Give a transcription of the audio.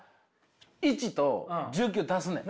１と１９足すねん！